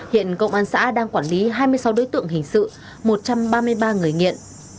hiện công an xã đang quản lý hai mươi sáu đối tượng hình sự một trăm ba mươi ba người nghiện